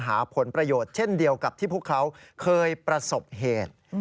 หาผลประโยชน์เช่นเดียวกับที่พวกเขาเคยประสบเหตุ